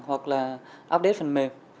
hoặc là update phần mềm